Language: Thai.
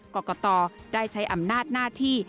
กรกตได้ใช้อำนาจหน้าที่